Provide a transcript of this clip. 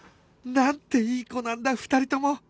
なんていい子なんだ２人とも！